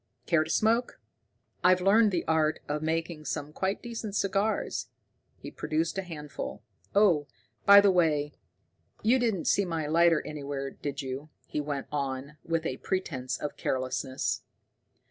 Care to smoke? I've learned the art of making some quite decent cigars." He produced a handful. "Oh, by the way, you didn't see my lighter anywhere, did you?" he went on, with a pretense of carelessness.